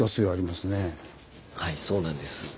はいそうなんです。